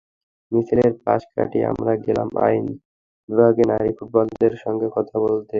মিছিলের পাশ কাটিয়ে আমরা গেলাম আইন বিভাগের নারী ফুটবলারদের সঙ্গে কথা বলতে।